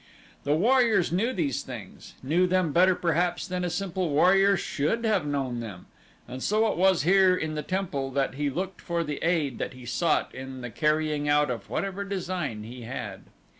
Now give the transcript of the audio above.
The warriors knew these things, knew them better perhaps than a simple warrior should have known them. And so it was here in the temple that he looked for the aid that he sought in the carrying out of whatever design he had.